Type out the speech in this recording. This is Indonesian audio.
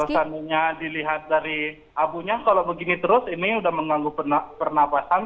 seandainya dilihat dari abunya kalau begini terus ini sudah mengganggu pernafasan